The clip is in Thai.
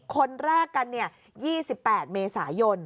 คนแรกกัน๒๘เมษายน